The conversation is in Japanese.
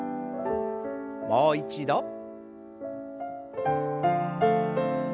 もう一度。